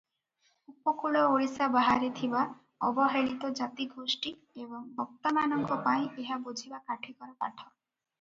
ଉପକୂଳ ଓଡ଼ିଶା ବାହାରେ ଥିବା ଅବହେଳିତ ଜାତିଗୋଷ୍ଠୀ ଏବଂ ବକ୍ତାମାନଙ୍କ ପାଇଁ ଏହା ବୁଝିବା କାଠିକର ପାଠ ।